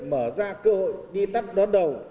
mở ra cơ hội đi tắt đón đầu